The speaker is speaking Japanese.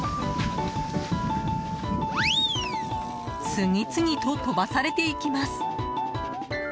次々と飛ばされていきます。